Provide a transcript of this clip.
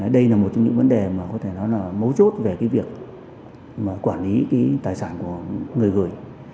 đây là một trong những vấn đề mà có thể nói là mấu chốt về việc quản lý tài sản của người gửi